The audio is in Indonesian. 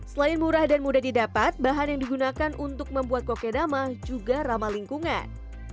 selain murah dan mudah didapat bahan yang digunakan untuk membuat kokedama juga ramah lingkungan